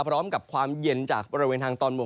พร้อมกับความเย็นจากบริเวณทางตอนบน